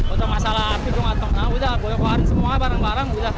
untuk masalah api gue gak tau nah udah gue keluarin semua barang barang udah